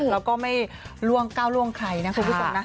แล้วก็ไม่ล่วงก้าวล่วงใครนะคุณผู้ชมนะ